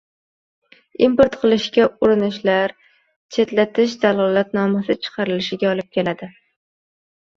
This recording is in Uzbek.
Import qilishga urinishlar, chetlatish dalolatnomasi chiqarilishiga olib keladi.